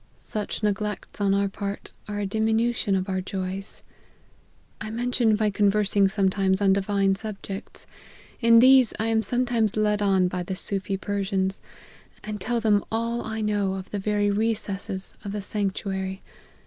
Such neglects on our part are a diminution of our joys. I mentioned my conversing sometimes on divine subjects. In these I am sometimes led on by the Soofie Persians, and tell them all I know of the very recesses of the sanctuary.